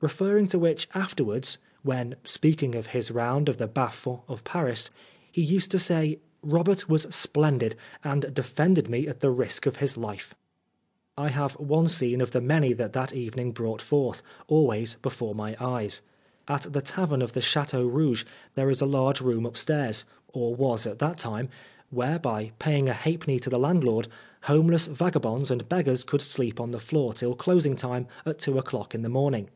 Refer ring to which afterwards, when speaking of his round of the bas fonds of Paris, he used to say, " Robert was splendid, and defended me at the risk of his life." I have one scene of the many that that 95 Oscar Wilde evening brought forth, always before my eyes. At the tavern of the Chateau Rouge there is a large room upstairs, or was at that time, where, by paying a halfpenny to the landlord, homeless vagabonds and beggars could sleep on the floor till closing time at two o'clock in the morning.